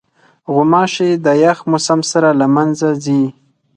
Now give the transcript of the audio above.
غوماشې د یخ موسم سره له منځه ځي.